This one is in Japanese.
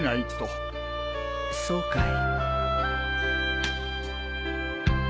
そうかい。